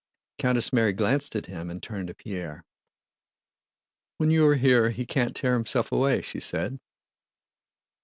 Countess Mary glanced at him and turned to Pierre. "When you are here he can't tear himself away," she said.